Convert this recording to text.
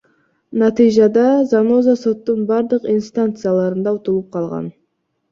Натыйжада Заноза соттун бардык инстанцияларында утулуп калган.